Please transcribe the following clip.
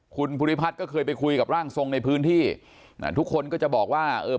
คุณภูริพัฒน์ก็เคยไปคุยกับร่างทรงในพื้นที่อ่าทุกคนก็จะบอกว่าเออ